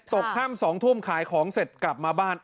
ตกค่ำ๒ทุ่มขายของเสร็จกลับมาบ้าน